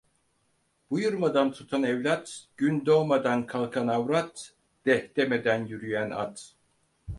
Buyurmadan tutan evlat, gün doğmadan kalkan avrat, deh demeden yürüyen at.